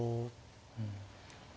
うん。